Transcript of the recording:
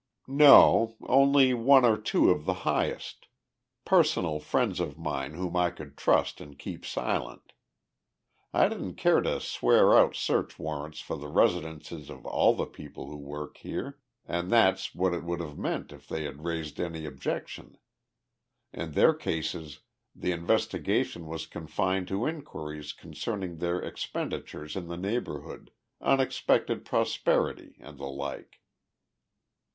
"No, only one or two of the highest personal friends of mine whom I could trust to keep silent. I didn't care to swear out search warrants for the residences of all the people who work here, and that's what it would have meant if they had raised any objection. In their cases the investigation was confined to inquiries concerning their expenditures in the neighborhood, unexpected prosperity, and the like."